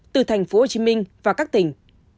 từ thành phố hồ chí minh và các tỉnh